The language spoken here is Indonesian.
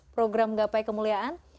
program gapai kemuliaan